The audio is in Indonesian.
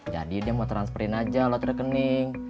jadi dia mau transferin aja lot rekening